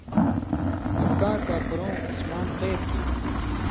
مکّاں کاپھرؤں عثمانؓ قېد کیریۡ